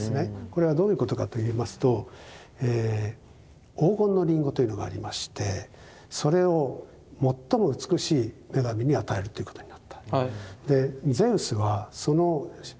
これはどういうことかといいますと黄金のリンゴというのがありましてそれを最も美しい女神に与えるということになった。